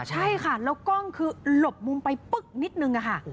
ใช่ค่ะแล้วกล้องคือหลบมุมไปปึ๊กนิดนึงค่ะ